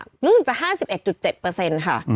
รู้สึกจะ๕๑๗เปอร์เซ็นต์ค่ะ